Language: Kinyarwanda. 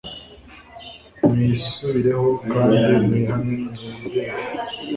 mwisubireho kandi mwihane, mwegere